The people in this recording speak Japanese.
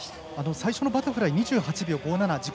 最初のバタフライ２８秒５７自己